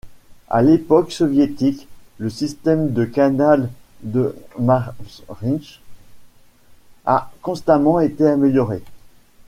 À l'époque soviétique, le système de canal de Mariinsk a constamment été amélioré.